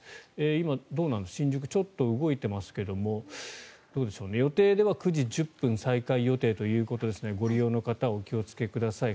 今、新宿ちょっと動いていますがどうでしょう、予定では９時１０分再開予定ということですがご利用の方はお気をつけください